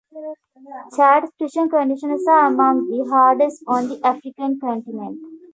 Chad's prison conditions are among the harshest on the African continent.